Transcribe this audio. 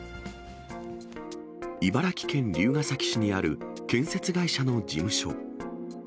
茨城県龍ケ崎市にある建設会社の事務所。